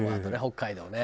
北海道ね。